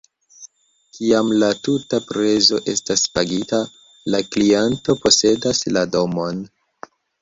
Kiam la tuta prezo estas pagita, la kliento posedas la domon.